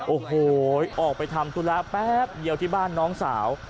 โอ้โหออกไปทำธุระแป๊บเดียวที่บ้านน้องสาว